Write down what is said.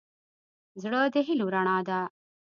زړه د هيلو رڼا ده.